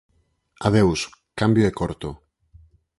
Adeus, cambio e corto.